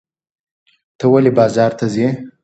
ته ولې بازار ته ځې؟